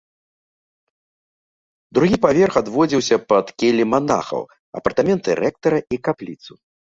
Другі паверх адводзіўся пад келлі манахаў, апартаменты рэктара і капліцу.